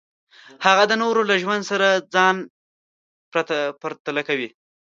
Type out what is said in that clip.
هغه د نورو له ژوند سره ځان پرتله کوي.